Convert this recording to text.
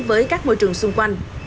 với các môi trường xung quanh